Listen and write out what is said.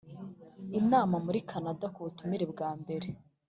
Inama muri Canada ku butumire bwa mbere